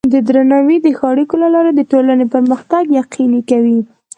درناوی د ښو اړیکو له لارې د ټولنې پرمختګ یقیني کوي.